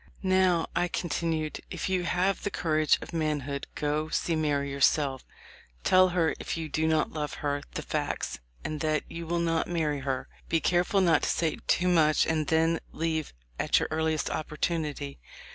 'Now,' I continued, 'if you have the courage of manhood, go see Mary yourself; tell her, if you do not love her, the facts, and that you will not marry her. Be careful not to say too much, and then leave at your earliest opportunity.'